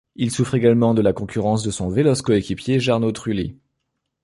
Il souffre également de la concurrence de son véloce coéquipier Jarno Trulli.